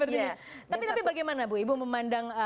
tapi bagaimana bu ibu memandang